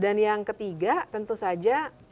dan yang ketiga tentu saja